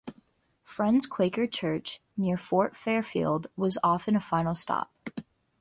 Friends Quaker Church near Fort Fairfield was often a final stop.